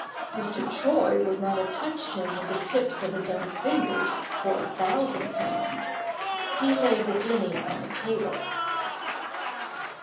Mr. Troy would not have touched him with the tips of his own fingers for a thousand pounds. He laid the guinea on the table.